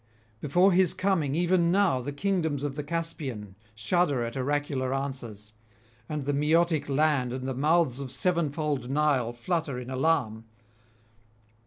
Before his coming even now the kingdoms of the Caspian shudder at oracular answers, and the Maeotic land and the mouths of sevenfold Nile flutter in alarm.